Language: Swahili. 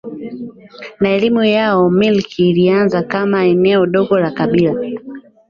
na elimu yao Milki ilianza kama eneo dogo la kabila